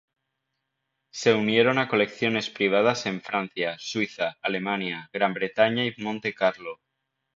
Se unieron a colecciones privadas en Francia, Suiza, Alemania, Gran Bretaña y Monte Carlo.